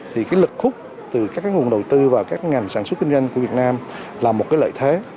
thì lực khúc từ các nguồn đầu tư và các ngành sản xuất kinh doanh của việt nam là một lợi thế